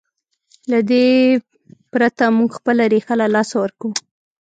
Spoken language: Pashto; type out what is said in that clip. له دې پرته موږ خپله ریښه له لاسه ورکوو.